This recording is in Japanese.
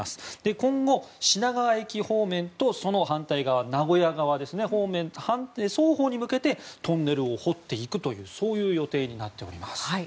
今後、品川駅方面とその反対側、名古屋側方面の双方に向けてトンネルを掘っていく予定になっています。